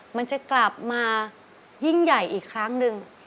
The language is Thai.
มันจะกลับมายิ่งใหญ่อีกครั้งหนึ่ง